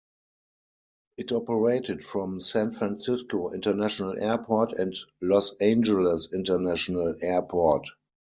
It operated from San Francisco International Airport and Los Angeles International Airport.